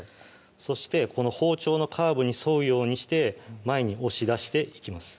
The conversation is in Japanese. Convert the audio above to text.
そしてこの包丁のカーブに沿うようにして前に押し出していきます